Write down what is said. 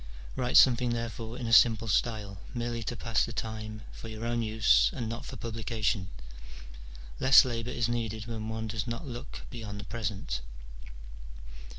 Write something therefore in a simple style, merely to pass the time, for your own use, and not for publication. Less labour is needed when one does not look beyond the present."